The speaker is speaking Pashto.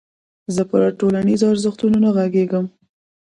زه پر ټولنيزو ارزښتونو نه غږېږم.